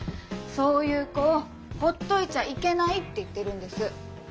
そういう子をほっといちゃいけないって言ってるんです。